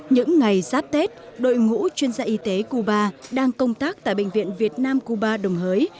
những ngày giáp tết đội ngũ chuyên gia y tế cuba đang công tác tại bệnh viện việt nam cuba đồng hới